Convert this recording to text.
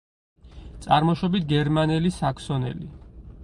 წარმოშობით გერმანელი, საქსონელი.